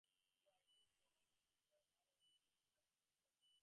The Ottoman troops were able to besiege Baghdad in this battle.